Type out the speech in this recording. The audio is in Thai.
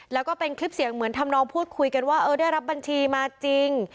แล้วก็เป็นคลิปเสียงเหมือนทำนองพูดคุยกันว่าเออได้รับบัญชีมาจริง